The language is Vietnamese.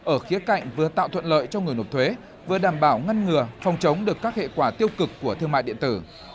ở khía cạnh vừa tạo thuận lợi cho người nộp thuế vừa đảm bảo ngăn ngừa phòng chống được các hệ quả tiêu cực của thương mại điện tử